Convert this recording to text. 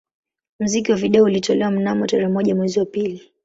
Muziki wa video ulitolewa mnamo tarehe moja mwezi wa pili